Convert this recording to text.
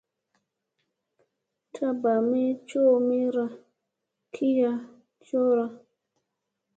Da ɓami coʼomira kiya cora.